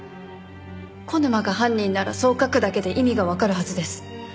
小沼が犯人ならそう書くだけで意味がわかるはずです。